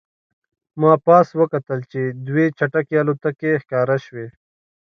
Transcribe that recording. ما پاس وکتل چې دوې چټکې الوتکې ښکاره شوې